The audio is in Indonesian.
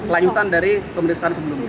lanjutan dari pemeriksaan sebelumnya